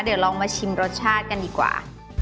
เดี๋ยวลองมาชิมรสชาติกันดีกว่า